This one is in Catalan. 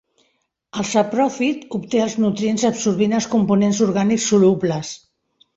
El sapròfit obté els nutrients absorbint els components orgànics solubles.